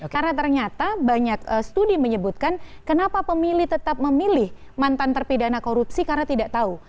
karena ternyata banyak studi menyebutkan kenapa pemilih tetap memilih mantan terpidana korupsi karena tidak tahu